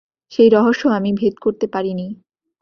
সেই রহস্য আমি ভেদ করতে পারি নি।